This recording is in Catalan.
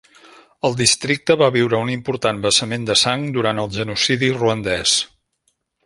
El districte va viure un important vessament de sang durant el genocidi ruandès.